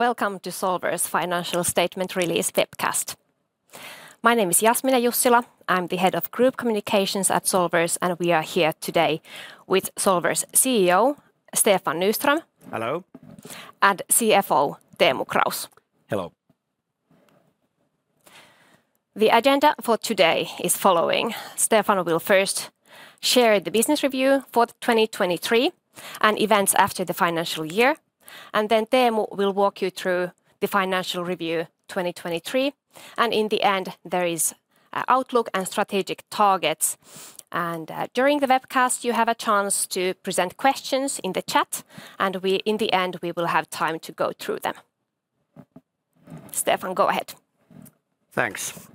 Welcome to Solwers Financial Statement Release webcast. My name is Jasmine Jussila. I'm the head of Group Communications at Solwers, and we are here today with Solwers CEO, Stefan Nyström. Hello. CFO, Teemu Kraus. Hello. The agenda for today is following: Stefan will first share the business review for 2023 and events after the financial year, and then Teemu will walk you through the financial review 2023, and in the end, there is outlook and strategic targets. During the webcast, you have a chance to present questions in the chat, and in the end, we will have time to go through them. Stefan, go ahead. Thanks.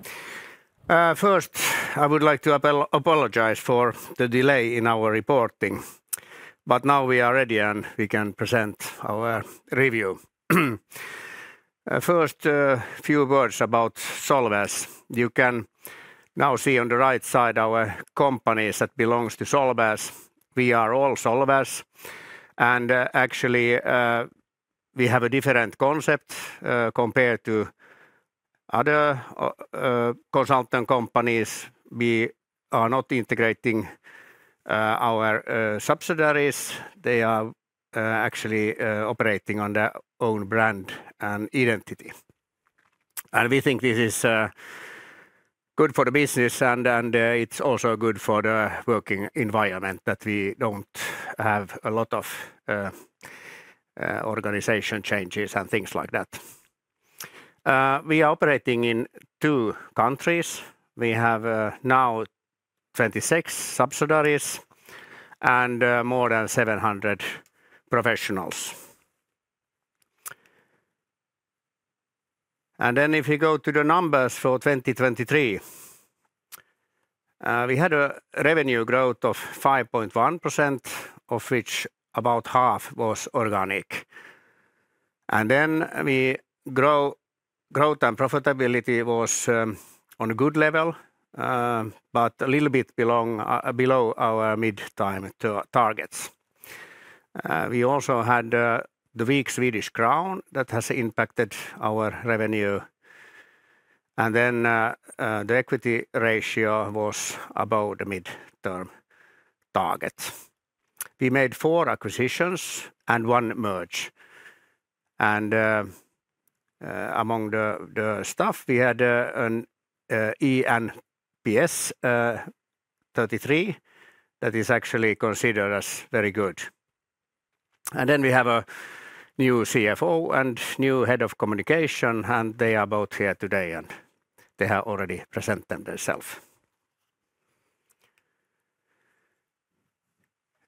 First, I would like to apologize for the delay in our reporting, but now we are ready, and we can present our review. First, a few words about Solwers. You can now see on the right side our companies that belong to Solwers. We are all Solwers, and actually we have a different concept compared to other consulting companies. We are not integrating our subsidiaries. They are actually operating on their own brand and identity. And we think this is good for the business, and it's also good for the working environment, that we don't have a lot of organization changes and things like that. We are operating in two countries. We have now 26 subsidiaries and more than 700 professionals. If you go to the numbers for 2023, we had a revenue growth of 5.1%, of which about half was organic. Growth and profitability was on a good level, but a little bit below our mid-term targets. We also had the weak Swedish krona that has impacted our revenue, and then the equity ratio was above the midterm target. We made four acquisitions and one merger, and among the staff, we had an eNPS of 33. That is actually considered as very good. We have a new CFO and new head of communications, and they are both here today, and they have already presented themselves.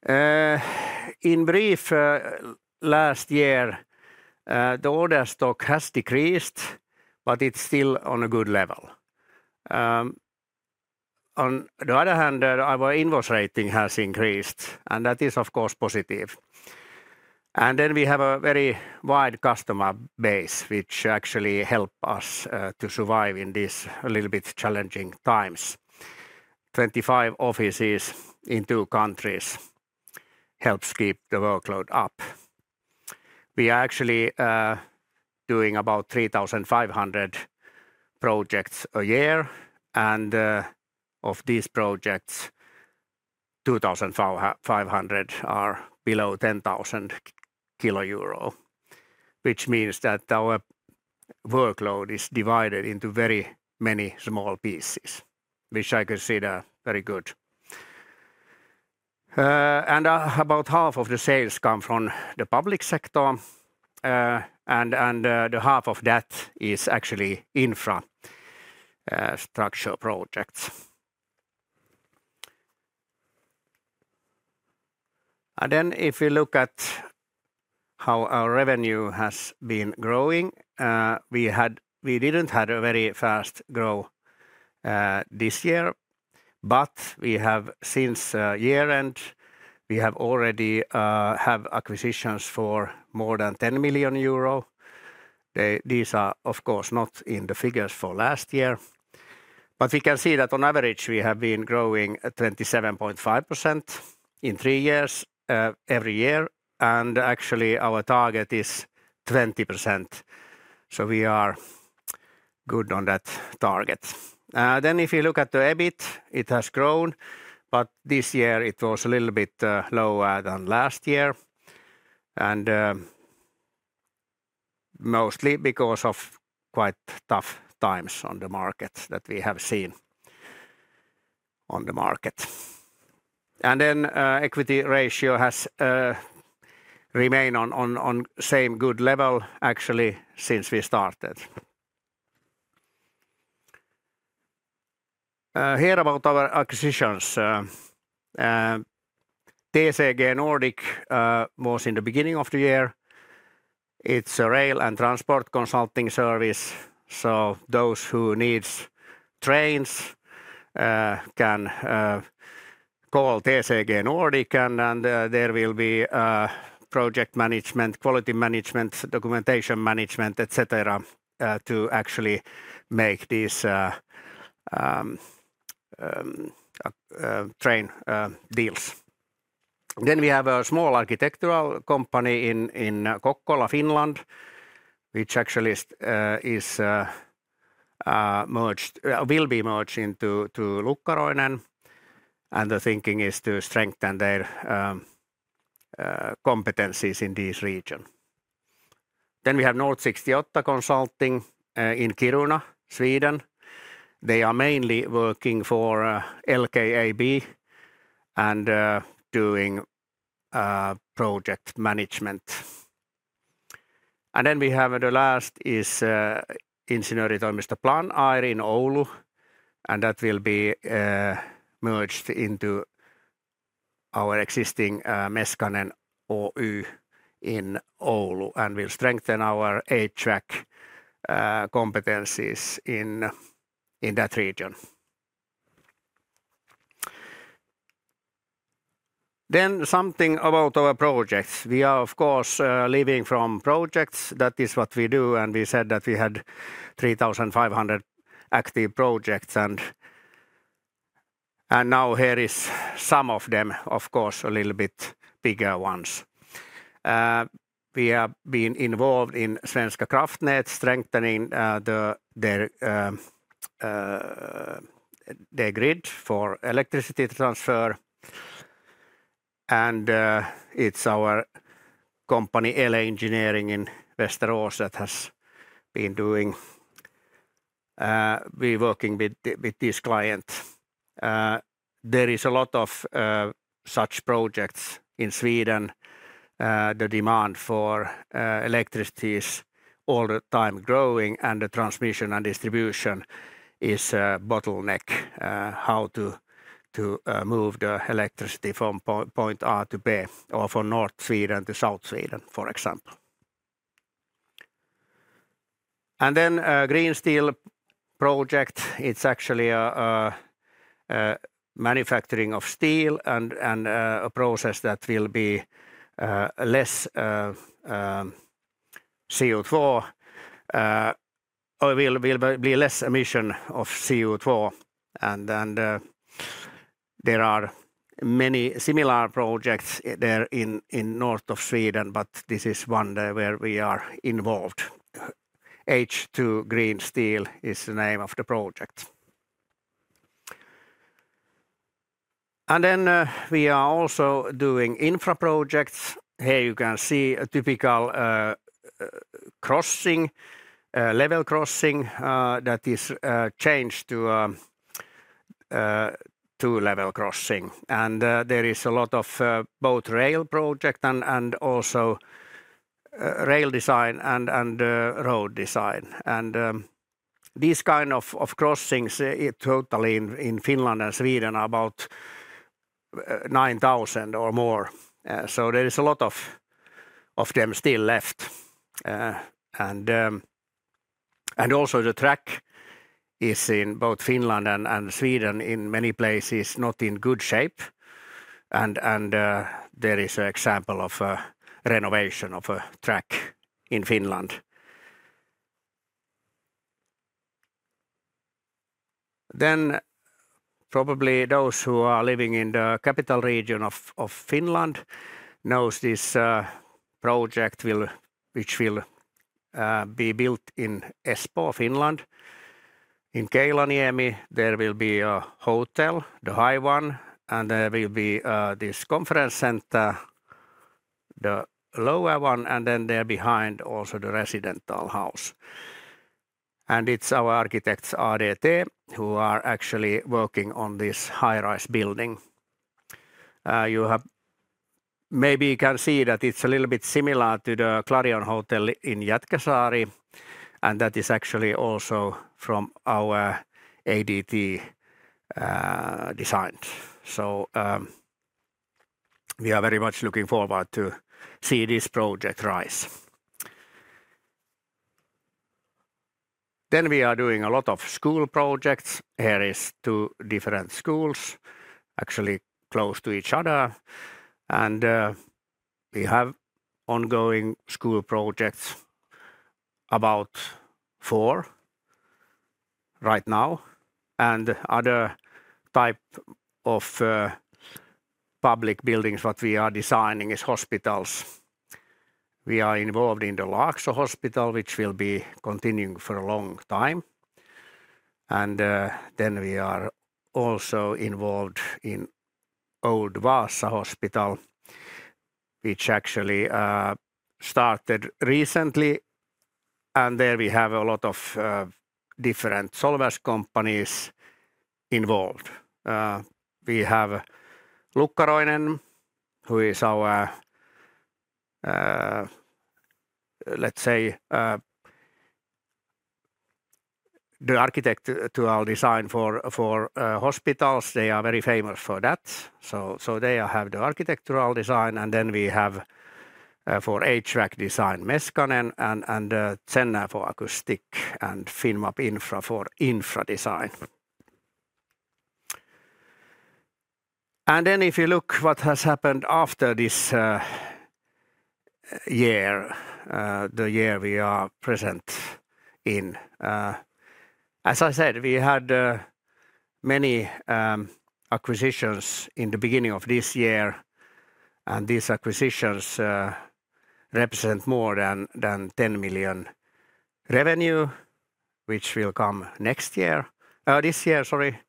In brief, last year, the order stock has decreased, but it's still on a good level. On the other hand, our invoice rating has increased, and that is, of course, positive. And then we have a very wide customer base, which actually help us to survive in this a little bit challenging times. 25 offices in two countries helps keep the workload up. We are actually doing about 3,500 projects a year, and of these projects, 2,500 are below 10,000 euro, which means that our workload is divided into very many small pieces, which I consider very good. And about half of the sales come from the public sector, and the half of that is actually infrastructure projects. Then if you look at how our revenue has been growing, we had. We didn't have a very fast growth this year, but we have since year end, we have already had acquisitions for more than 10 million euro. These are, of course, not in the figures for last year, but we can see that on average, we have been growing at 27.5% in three years every year, and actually our target is 20%. So we are good on that target. Then if you look at the EBIT, it has grown, but this year it was a little bit lower than last year, and mostly because of quite tough times on the market that we have seen on the market. Then, equity ratio has remained on same good level actually since we started. Here about our acquisitions. TCG Nordic was in the beginning of the year. It's a rail and transport consulting service, so those who needs trains can call TCG Nordic, and there will be project management, quality management, documentation management, et cetera, to actually make these train deals. Then we have a small architectural company in Kokkola, Finland, which actually will be merged into Lukkaroinen, and the thinking is to strengthen their competencies in this region. Then we have North68 Consulting in Kiruna, Sweden. They are mainly working for LKAB and doing project management. And then we have the last is, Insinööritoimisto Plan-Air in Oulu, and that will be, merged into our existing, Meskanen Oy in Oulu, and will strengthen our HVAC, competencies in that region. Then something about our projects. We are, of course, living from projects. That is what we do, and we said that we had 3,500 active projects and, now here is some of them, of course, a little bit bigger ones. We have been involved in Svenska kraftnät, strengthening their grid for electricity transfer. And, it's our company, ELE Engineering in Västerås, that has been doing-- we working with this client. There is a lot of, such projects in Sweden. The demand for electricity is all the time growing, and the transmission and distribution is a bottleneck. How to move the electricity from point A to B, or from North Sweden to South Sweden, for example. And then, Green Steel project, it's actually a manufacturing of steel and a process that will be less CO2 or will be less emission of CO2. And then, there are many similar projects there in north of Sweden, but this is one there where we are involved. H2 Green Steel is the name of the project. And then, we are also doing infra projects. Here you can see a typical crossing level crossing that is changed to two-level crossing. There is a lot of both rail project and also rail design and road design. These kind of crossings, totally in Finland and Sweden, are about 9,000 or more. So there is a lot of them still left. Also the track is in both Finland and Sweden in many places not in good shape, and there is an example of a renovation of a track in Finland. Then probably those who are living in the capital region of Finland knows this project will which will be built in Espoo, Finland. In Keilaniemi, there will be a hotel, the high one, and there will be this conference center, the lower one, and then there behind, also the residential house. It's our architects, ADT, who are actually working on this high-rise building. You have... Maybe you can see that it's a little bit similar to the Clarion Hotel in Jätkäsaari, and that is actually also from our ADT design. So, we are very much looking forward to see this project rise. Then we are doing a lot of school projects. Here is two different schools, actually close to each other, and, we have ongoing school projects, about four right now. And other type of, public buildings what we are designing is hospitals. We are involved in the Laakso Hospital, which will be continuing for a long time. And, then we are also involved in Old Vaasa Hospital, which actually, started recently, and there we have a lot of, different Solwers companies involved. We have Lukkaroinen, who is our, let's say, the architectural design for hospitals. They are very famous for that. So they have the architectural design, and then we have for HVAC design, Meskanen, and Zenner for acoustic, and Finnmap Infra for infra design. And then if you look what has happened after this year, the year we are present in. As I said, we had many acquisitions in the beginning of this year, and these acquisitions represent more than 10 million revenue, which will come next year, this year, sorry.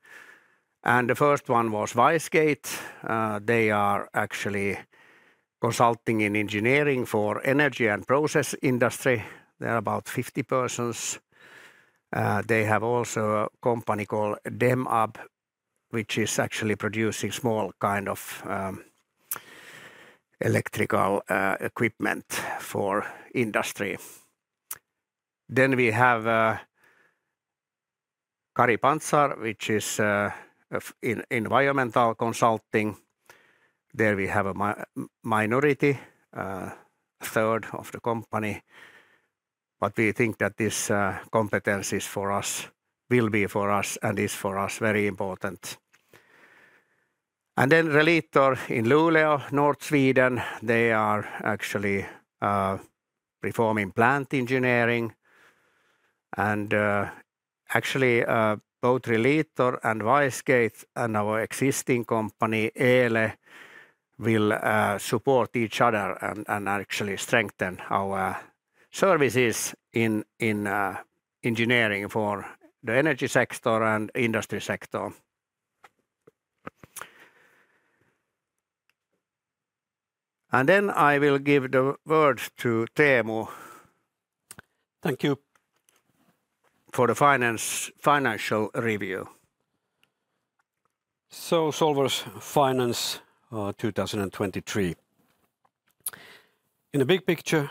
And the first one was WiseGate. They are actually consulting in engineering for energy and process industry. They're about 50 persons. They have also a company called Demab, which is actually producing small kind of electrical equipment for industry. Then we have Kari Pantsar, which is in environmental consulting. There we have a minority, a third of the company, but we think that this competence is for us, will be for us, and is for us, very important. And then Relitor in Luleå, North Sweden, they are actually performing plant engineering. And actually both Relitor and WiseGate and our existing company, ELE, will support each other and actually strengthen our services in engineering for the energy sector and industry sector. And then I will give the word to Teemu- Thank you for the finance, financial review. So Solwers finance 2023. In the big picture,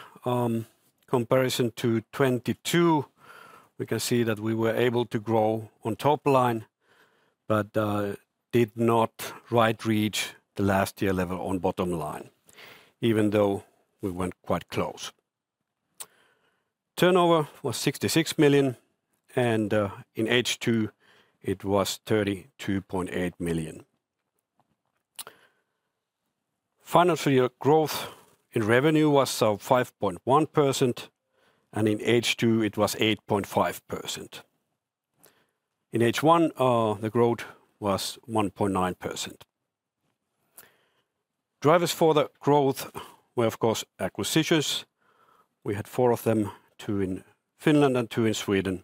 comparison to 2022, we can see that we were able to grow on top line, but did not quite reach the last year level on bottom line, even though we went quite close. Turnover was 66 million, and in H2, it was 32.8 million. Financial year growth in revenue was 5.1%, and in H2, it was 8.5%. In H1, the growth was 1.9%. Drivers for the growth were, of course, acquisitions. We had four of them, two in Finland and two in Sweden.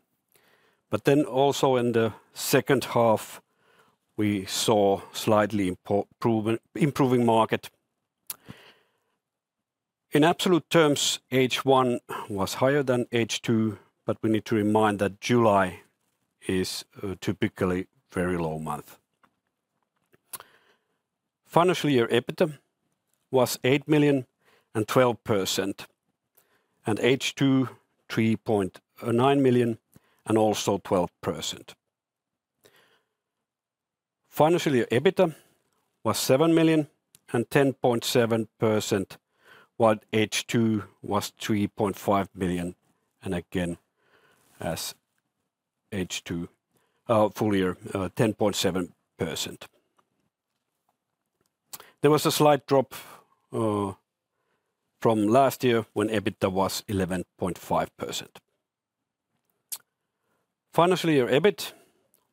But then also in the second half, we saw slightly improving market. In absolute terms, H1 was higher than H2, but we need to remind that July is typically a very low month. Financial year EBITDA was 8 million and 12%, and H2 3.9 million and also 12%. Financial year EBITDA was 7 million and 10.7%, while H2 was 3.5 million, and again, as H2 full year 10.7%. There was a slight drop from last year, when EBITDA was 11.5%. Financial year EBIT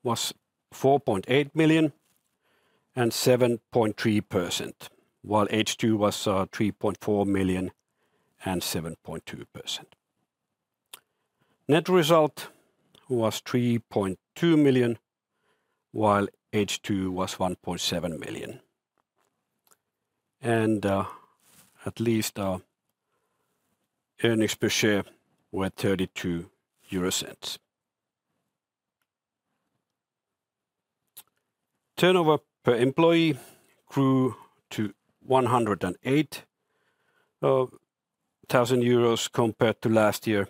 was 4.8 million and 7.3%, while H2 was 3.4 million and 7.2%. Net result was 3.2 million, while H2 was 1.7 million, and at least our earnings per share were 0.32. Turnover per employee grew to 108,000 euros compared to last year,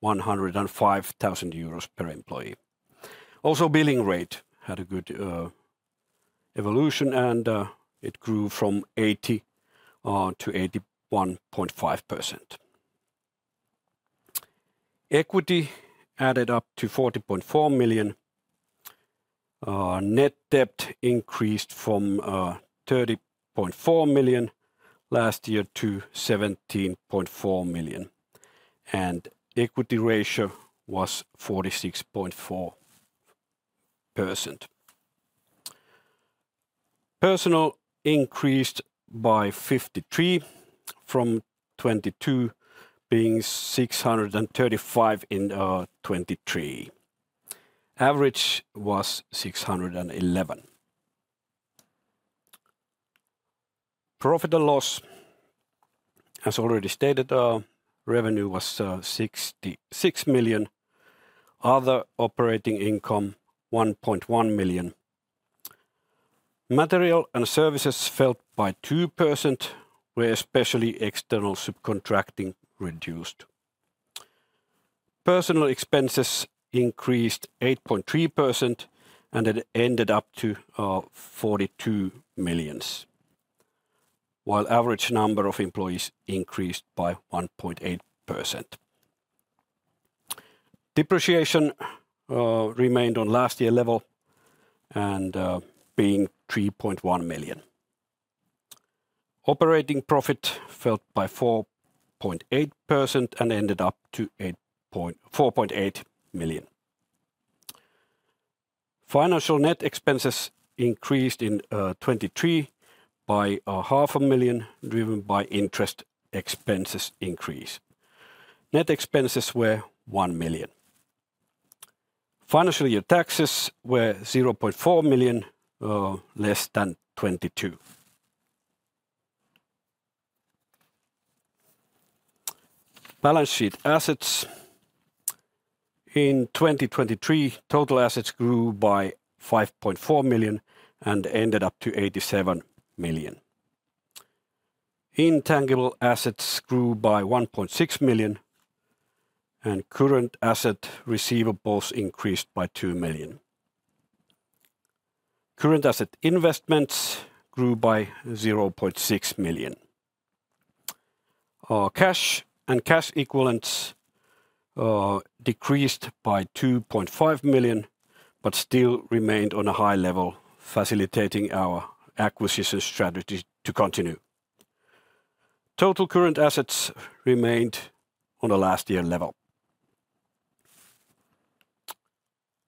105,000 euros per employee. Also, billing rate had a good evolution, and it grew from 80 to 81.5%. Equity added up to 40.4 million. Net debt increased from 30.4 million last year to 17.4 million, and equity ratio was 46.4%. Personnel increased by 53 from 2022, being 635 in 2023. Average was 611. Profit and loss, as already stated, revenue was 66 million. Other operating income, 1.1 million. Material and services fell by 2%, where especially external subcontracting reduced. Personnel expenses increased 8.3%, and it ended up to 42 million, while average number of employees increased by 1.8%. Depreciation remained on last year level and being 3.1 million. Operating profit fell by 4.8% and ended up to 4.8 million. Financial net expenses increased in 2023 by 0.5 million, driven by interest expenses increase. Net expenses were 1 million. Financial year taxes were 0.4 million less than 2022. Balance sheet assets. In 2023, total assets grew by 5.4 million and ended up to 87 million. Intangible assets grew by 1.6 million, and current asset receivables increased by 2 million. Current asset investments grew by 0.6 million. Cash and cash equivalents decreased by 2.5 million, but still remained on a high level, facilitating our acquisition strategy to continue. Total current assets remained on a last year level.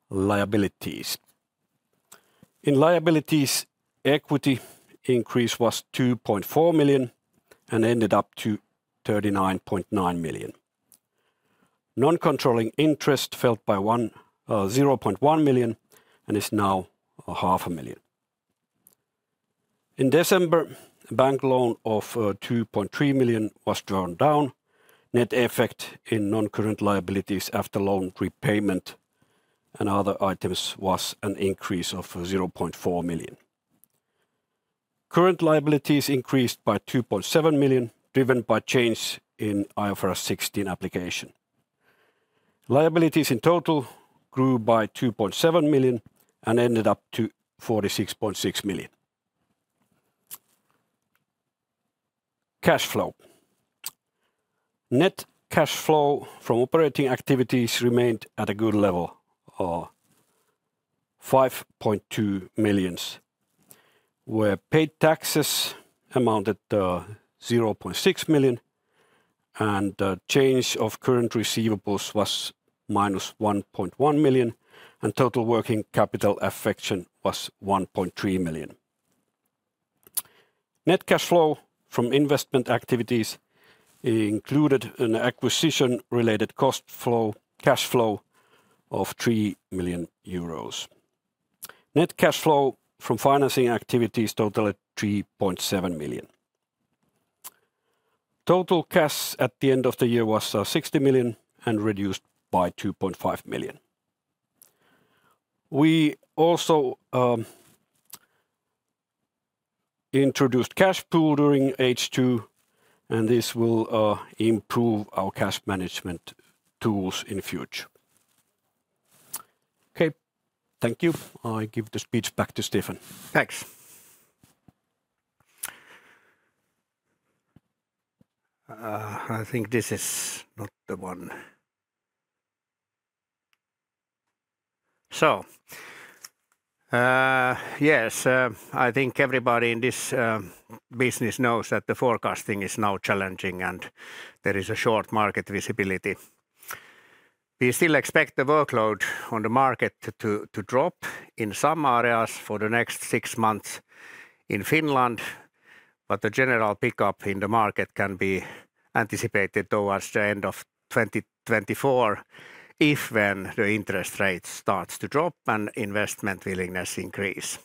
Liabilities. In liabilities, equity increase was 2.4 million and ended up to 39.9 million. Non-controlling interest fell by 0.1 million and is now 0.5 million. In December, a bank loan of 2.3 million was drawn down. Net effect in non-current liabilities after loan repayment and other items was an increase of 0.4 million. Current liabilities increased by 2.7 million, driven by change in IFRS 16 application. Liabilities in total grew by 2.7 million and ended up to 46.6 million. Cash flow. Net cash flow from operating activities remained at a good level, 5.2 million, where paid taxes amounted 0.6 million, and the change of current receivables was -1.1 million, and total working capital effect was 1.3 million. Net cash flow from investment activities included an acquisition-related cash flow of 3 million euros. Net cash flow from financing activities totaled 3.7 million. Total cash at the end of the year was 60 million and reduced by 2.5 million. We also introduced cash pool during H2, and this will improve our cash management tools in future. Okay, thank you. I give the speech back to Stefan. Thanks. I think this is not the one. I think everybody in this business knows that the forecasting is now challenging, and there is a short market visibility. We still expect the workload on the market to drop in some areas for the next six months in Finland, but the general pickup in the market can be anticipated towards the end of 2024, when the interest rate starts to drop and investment willingness increase.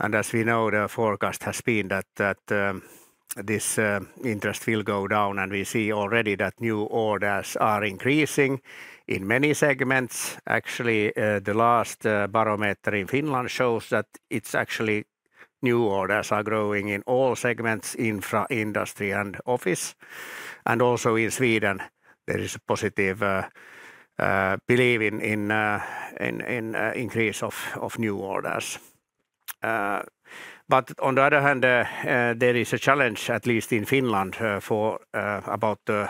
As we know, the forecast has been that this interest will go down, and we see already that new orders are increasing in many segments. Actually, the last barometer in Finland shows that it's actually new orders are growing in all segments, infra, industry, and office. Also in Sweden, there is a positive belief in increase of new orders. But on the other hand, there is a challenge, at least in Finland, for about the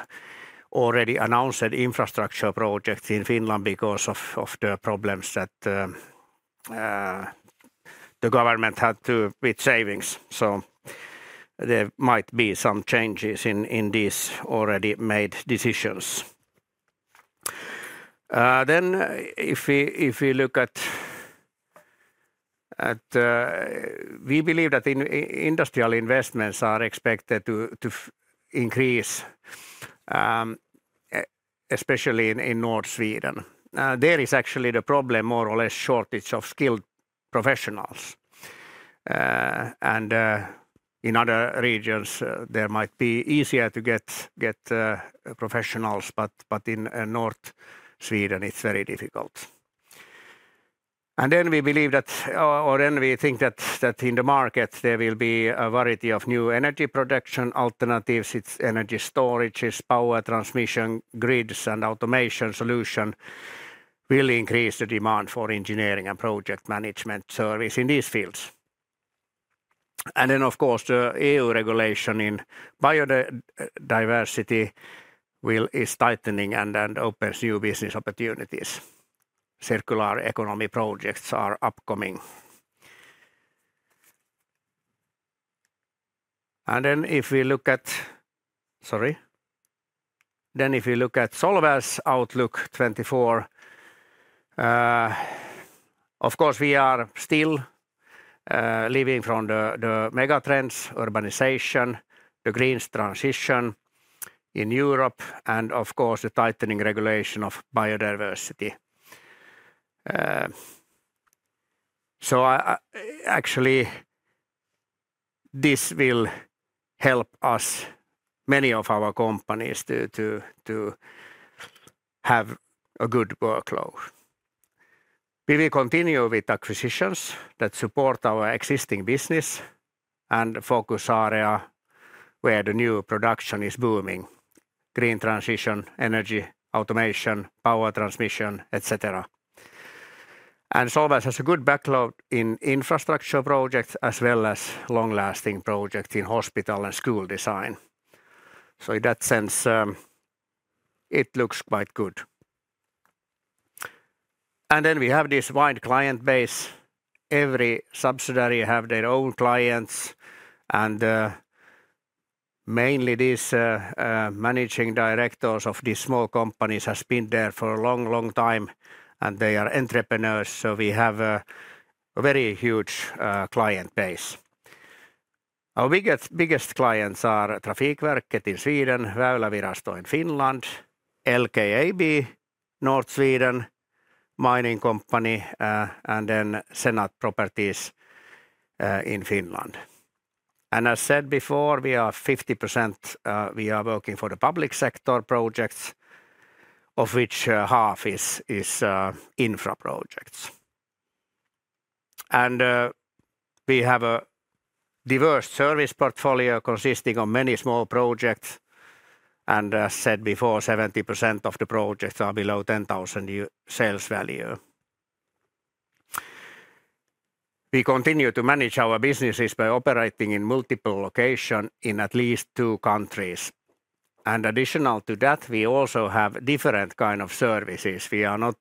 already announced infrastructure project in Finland because of the problems that the government had to with savings. So there might be some changes in these already made decisions. Then if we look at... We believe that industrial investments are expected to increase, especially in North Sweden. There is actually the problem, more or less, shortage of skilled professionals. And in other regions, there might be easier to get professionals, but in North Sweden, it's very difficult. And then we believe that, or then we think that, that in the market there will be a variety of new energy production alternatives. It's energy storages, power transmission, grids, and automation solution will increase the demand for engineering and project management service in these fields. And then, of course, the EU regulation in biodiversity will- is tightening and, and opens new business opportunities. Circular economy projects are upcoming. And then if we look at... Sorry. Then if you look at Solwers outlook 2024, of course, we are still, living from the megatrends: urbanization, the green transition in Europe, and of course, the tightening regulation of biodiversity. So I, actually, this will help us, many of our companies, to, to, to have a good workload. We will continue with acquisitions that support our existing business and focus area where the new production is booming: green transition, energy, automation, power transmission, et cetera. And Solwers has a good backlog in infrastructure projects, as well as long-lasting project in hospital and school design. So in that sense, it looks quite good. And then we have this wide client base. Every subsidiary have their own clients, and mainly these managing directors of these small companies has been there for a long, long time, and they are entrepreneurs, so we have a very huge client base. Our biggest, biggest clients are Trafikverket in Sweden, Väylävirasto in Finland, LKAB North Sweden Mining Company, and then Senaatti Properties in Finland. As said before, we are 50%, working for the public sector projects, of which half is infra projects. We have a diverse service portfolio consisting of many small projects, and as said before, 70% of the projects are below 10,000 sales value. We continue to manage our businesses by operating in multiple locations in at least two countries. Additional to that, we also have different kind of services. We are not...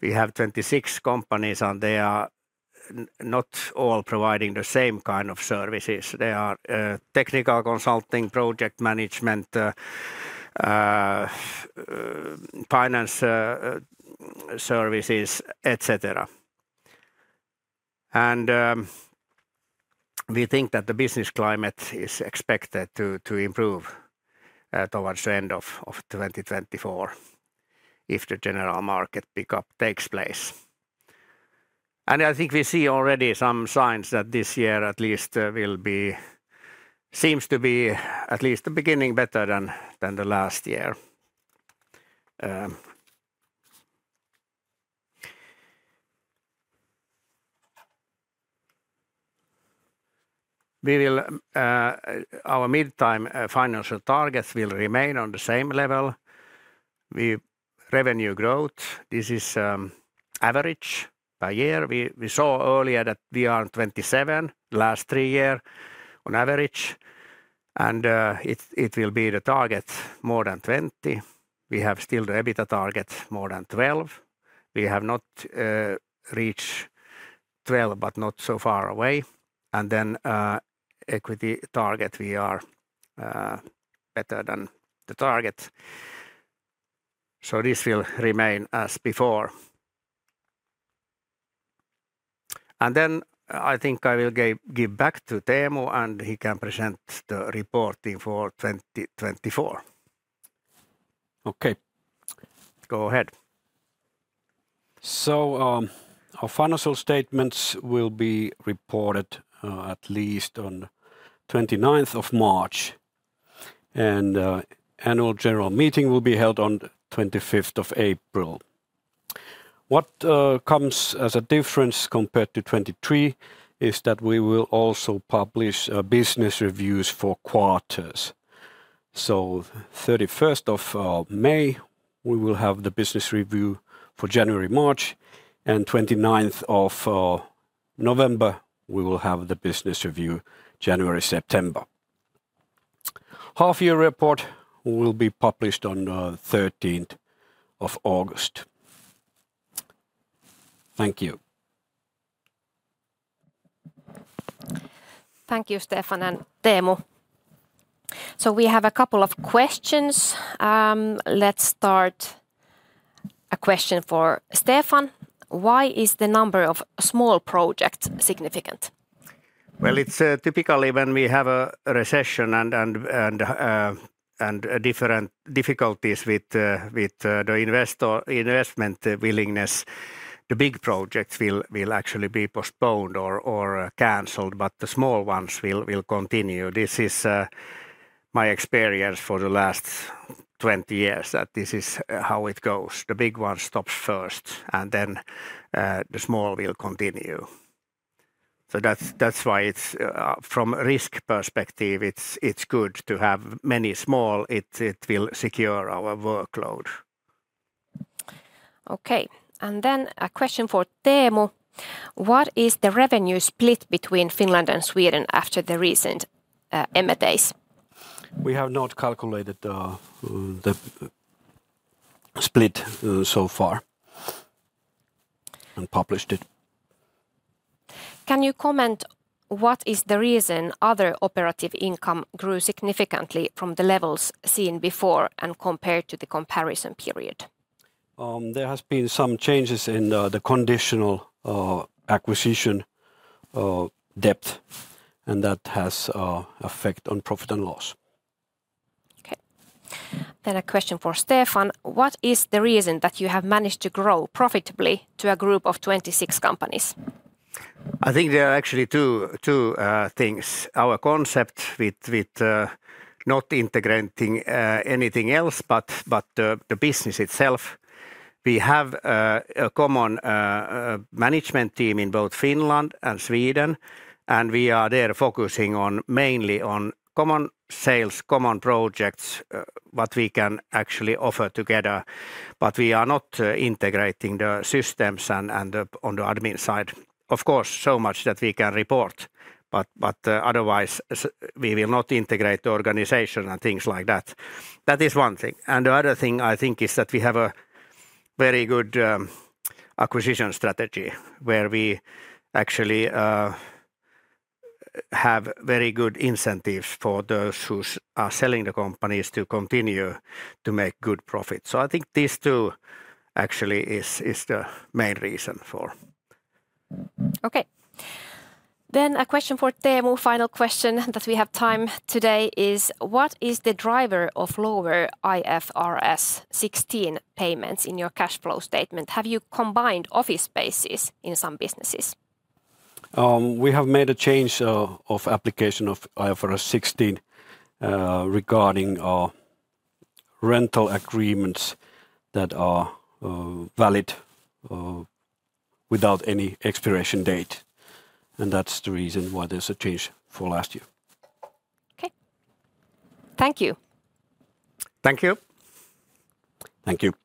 We have 26 companies, and they are not all providing the same kind of services. They are technical consulting, project management, finance services, et cetera. We think that the business climate is expected to improve towards the end of 2024, if the general market pickup takes place. And I think we see already some signs that this year at least, will be-- seems to be at least the beginning better than the last year. We will, our mid-term financial targets will remain on the same level. Revenue growth, this is, average by year. We saw earlier that we are 27, last three year on average, and it will be the target more than 20. We have still the EBITDA target, more than 12. We have not reached 12, but not so far away. And then, equity target, we are better than the target. So this will remain as before. And then, I think I will give back to Teemu, and he can present the reporting for 2024. Okay. Go ahead. So, our financial statements will be reported, at least on 29th of March, and annual general meeting will be held on the 25th of April. What comes as a difference compared to 2023 is that we will also publish business reviews for quarters. So 31st of May, we will have the business review for January, March, and 29th of November, we will have the business review January, September. Half-year report will be published on 13th of August. Thank you. Thank you, Stefan and Teemu. We have a couple of questions. Let's start. A question for Stefan: Why is the number of small projects significant? Well, it's typically when we have a recession and different difficulties with the investment willingness, the big projects will actually be postponed or canceled, but the small ones will continue. This is my experience for the last 20 years, that this is how it goes. The big ones stop first, and then the small will continue. So that's why it's from risk perspective, it's good to have many small, it will secure our workload.... Okay, and then a question for Teemu: What is the revenue split between Finland and Sweden after the recent M&As? We have not calculated the split so far and published it. Can you comment what is the reason other operating income grew significantly from the levels seen before and compared to the comparison period? There has been some changes in the conditional acquisition debt, and that has a effect on profit and loss. Okay. A question for Stefan: What is the reason that you have managed to grow profitably to a group of 26 companies? I think there are actually two things. Our concept with not integrating anything else, but the business itself. We have a common management team in both Finland and Sweden, and we are there focusing on mainly on common sales, common projects, what we can actually offer together, but we are not integrating the systems and the on the admin side. Of course, so much that we can report, but otherwise we will not integrate the organization and things like that. That is one thing, and the other thing I think is that we have a very good acquisition strategy, where we actually have very good incentives for those who are selling the companies to continue to make good profit. So I think these two actually is the main reason for. Okay. Then a question for Teemu, final question that we have time today is: What is the driver of lower IFRS 16 payments in your cash flow statement? Have you combined office spaces in some businesses? We have made a change of application of IFRS 16 regarding rental agreements that are valid without any expiration date, and that's the reason why there's a change for last year. Okay. Thank you. Thank you. Thank you.